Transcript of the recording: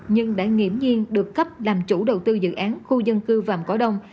nhưng đã nghiễm nhiên được cấp làm chủ đầu tư dự án khu dân cư vàng quả đông